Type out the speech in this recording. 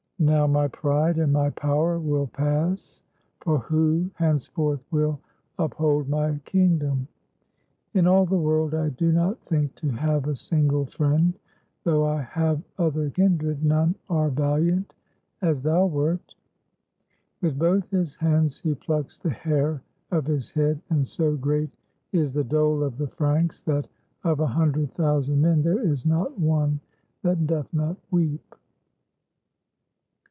Now my pride and 159 FRANCE my power will pass; for who henceforth will uphold my kingdom? In all the world I do not think to have a single friend; though I have other kindred, none are valiant as thou wert." With both his hands he plucks the hair of his head; and so great is the dole of the Franks, that of a hundred thousand men there is not one that doth not weep.